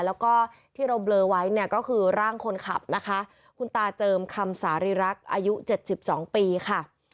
แล้วก็ที่เราเบลอไว้เนี่ยก็คือร่างคนขับนะคะคุณตาเจิมคำสาริรักษ์อายุ๗๒ปีค่ะ